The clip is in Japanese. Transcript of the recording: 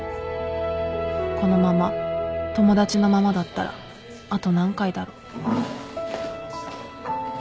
このまま友達のままだったらあと何回だろう